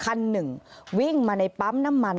คันหนึ่งวิ่งมาในปั๊มน้ำมัน